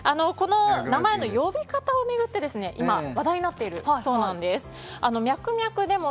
名前の呼び方を巡って今、話題になっているそうなんです。